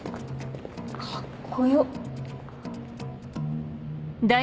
カッコよ！